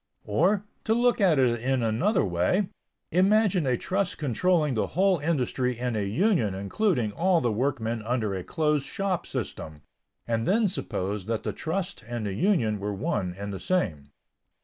Or, to look at it in another way, imagine a trust controlling the whole industry and a union including all the workmen under a closed shop system, and then suppose that the trust and the union were one and the same.